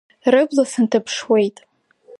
Рыбла сынҭаԥшуеит…